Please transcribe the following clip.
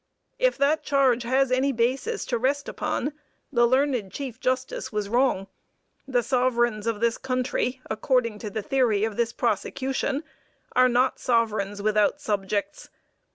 If that charge has any basis to rest upon, the learned Chief Justice was wrong. The sovereigns of this country, according to the theory of this prosecution, are not sovereigns without subjects.